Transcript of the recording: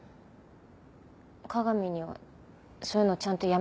加賀美にはそういうのちゃんとやめてって言ったから。